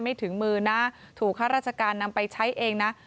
ถึงมือนะถูกข้าราชการนำไปใช้เองนะ